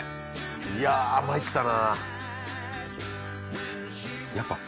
いやまいったな